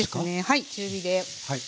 はい中火で。